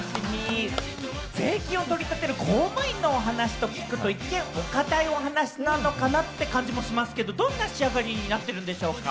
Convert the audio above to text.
税金を取り立てる公務員の話って聞くと一見、お堅いお話なのかな？って感じもしますけれども、どんな仕上がりになってるんでしょうか？